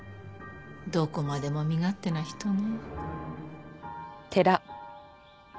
どこまでも身勝手な人ね。